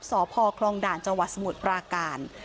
สพคลองด่านจังหวัดสมุทรปราการ